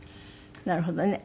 なるほどね。